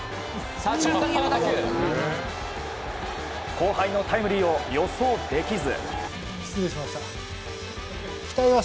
後輩のタイムリーを予想できず。